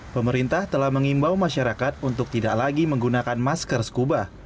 pemerintah telah mengimbau masyarakat untuk tidak lagi menggunakan masker scuba